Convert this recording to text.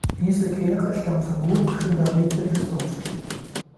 Diese Kirche stand vermutlich in der Mitte des Dorfes.